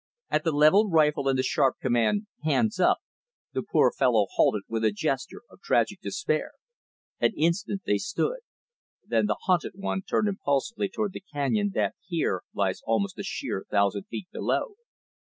At the leveled rifle and the sharp command, "Hands up," the poor fellow halted with a gesture of tragic despair. An instant they stood; then the hunted one turned impulsively toward the canyon that, here, lies almost a sheer thousand feet below.